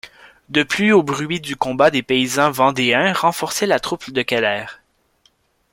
De plus aux bruits du combat des paysans vendéens renforçaient la troupe de Keller.